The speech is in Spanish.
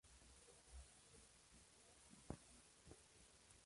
Aunque ya fabricaban en China, los asiáticos estaban haciendo daño.